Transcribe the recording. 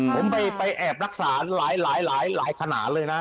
ผมไปแอบรักษาหลายขนาดเลยนะ